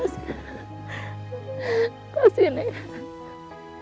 oh iya pengen beliin sepeda